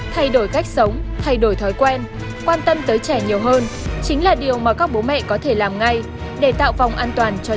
thay đổi cách sống thay đổi thói quen quan tâm tới trẻ nhiều hơn chính là điều mà các bố mẹ có thể làm ngay để tạo phòng an toàn cho trẻ